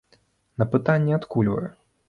На пытанне адкуль вы?